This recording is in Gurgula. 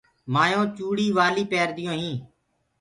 مآيونٚ چوُڙي والي پيرديونٚ هينٚ